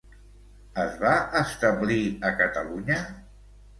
Es va establir a Catalunya?